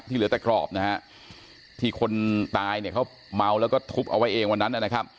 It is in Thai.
ที่เหลือแต่กรอบที่คนตายเขาเมาแล้วก็ทุบเอาไว้เองวันนั้น